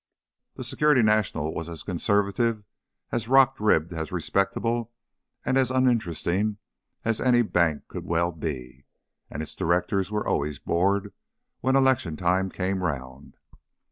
The Security National was as conservative, as rock ribbed, as respectable, and as uninteresting as any bank could well be, and its directors were always bored when election time came around.